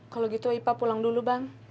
kalau gitu ipa pulang dulu bang